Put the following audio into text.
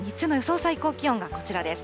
最高気温がこちらです。